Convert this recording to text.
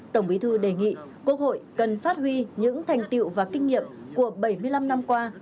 tổng bí thư đề nghị quốc hội cần phát huy những thành tiệu và kinh nghiệm của bảy mươi năm năm qua